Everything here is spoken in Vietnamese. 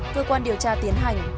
cơ quan điều tra tiến hành